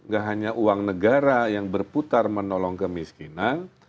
gak hanya uang negara yang berputar menolong kemiskinan